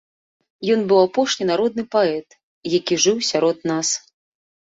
Ён быў апошні народны паэт, які жыў сярод нас.